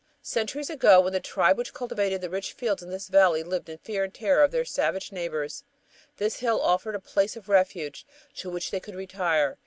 Centuries ago, when the tribe which cultivated the rich fields in this valley lived in fear and terror of their savage neighbors, this hill offered a place of refuge to which they could retire.